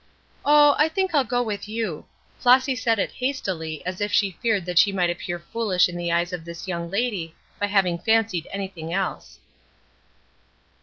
"Oh, I think I'll go with you." Flossy said it hastily, as if she feared that she might appear foolish in the eyes of this young lady by having fancied anything else.